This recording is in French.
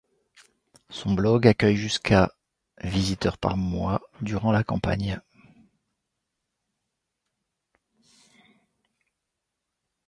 Son blog accueille jusqu'à visiteurs par mois durant la campagne.